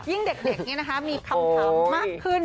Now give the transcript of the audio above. ยิ่งเด็กเนี้ยนะฮะมีคำมากขึ้น